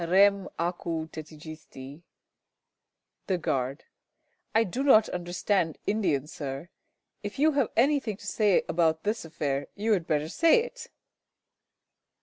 Rem acu tetigisti! The Guard. I do not understand Indian, Sir. If you have anything to say about this affair, you had better say it.